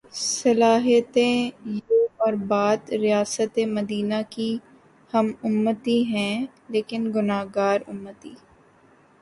صلاحیتیں یہ اور بات ریاست مدینہ کی ہم امتی ہیں لیکن گناہگار امتی۔